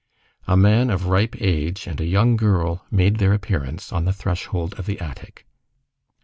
A man of ripe age and a young girl made their appearance on the threshold of the attic.